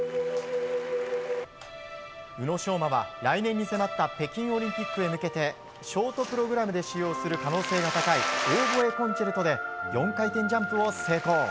宇野昌磨は来年に迫った北京オリンピックに向けてショートプログラムで使用する可能性の高い「オーボエ協奏曲」で４回転ジャンプを成功。